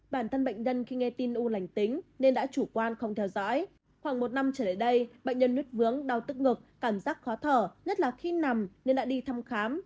bản thân bệnh nhân khi nghe tin u lành tính nên đã chủ quan không theo dõi khoảng một năm trở lại đây bệnh nhân nứt vướng đau tức ngực cảm giác khó thở nhất là khi nằm nên đã đi thăm khám